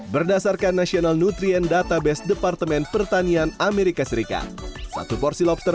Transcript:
berdasarkan national nutrien database departemen pertanian amerika serikat satu porsi lobster